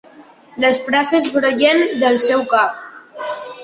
Les frases brollen del seu cap.